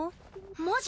マジ？